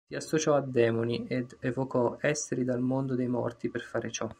Si associò a demoni ed evocò esseri dal mondo dei morti per fare ciò.